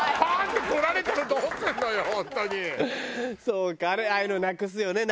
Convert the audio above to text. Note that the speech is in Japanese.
そうかああいうのなくすよね？